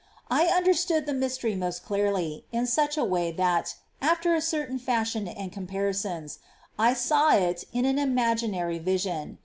2 I understood the mystery most clearly, in such a way that, after a certain fashion and comparisons, I saw It in an imaginary vision.